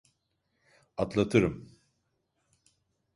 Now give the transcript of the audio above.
Atlatırım.